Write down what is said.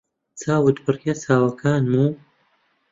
چاوت بڕیە چاوەکانم و